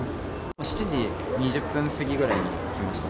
７時２０分過ぎぐらいに来ました。